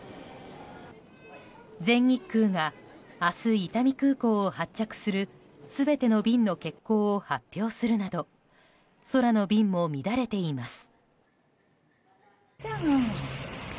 全日空が明日、伊丹空港を発着する全ての便の欠航を発表するなど空の便も乱れています。